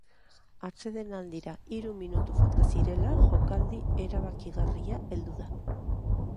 Atsedenaldira hiru minutu falta zirela, jokaldi erabakigarria heldu da.